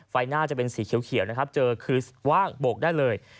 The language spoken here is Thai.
ไฟหน้าจะเป็นสีเขียวเจอคือว่างบกได้เลย